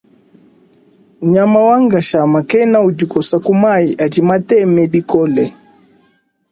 Nyama wa nkashama kena udi kosa ku mayi adi mateme bikole.